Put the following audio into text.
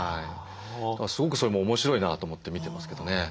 すごくそれも面白いなと思って見てますけどね。